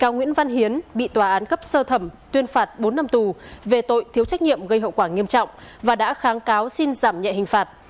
nguyễn văn hiến bị tòa án cấp sơ thẩm tuyên phạt bốn năm tù về tội thiếu trách nhiệm gây hậu quả nghiêm trọng và đã kháng cáo xin giảm nhẹ hình phạt